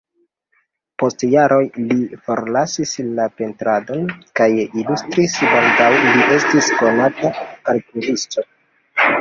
Post jaroj li forlasis la pentradon kaj ilustris, baldaŭ li estis konata karikaturisto.